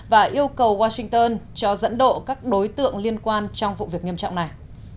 và yêu cầu washington cho dẫn độ các đối tượng liên quan trong vụ việc nghiêm trọng này